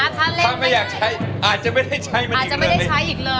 ถ้าไม่อยากใช้อาจจะไม่ได้ใช้อีกเลย